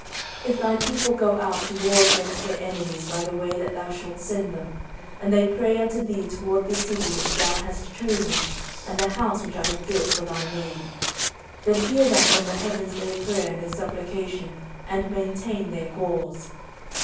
14:006:034 If thy people go out to war against their enemies by the way that thou shalt send them, and they pray unto thee toward this city which thou hast chosen, and the house which I have built for thy name; 14:006:035 Then hear thou from the heavens their prayer and their supplication, and maintain their cause.